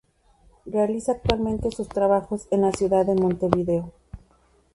Realiza actualmente sus trabajos en la ciudad de Montevideo.